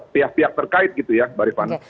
pihak pihak terkait gitu ya mbak rifana